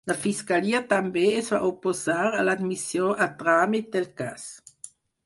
La fiscalia també es va oposar a l’admissió a tràmit del cas.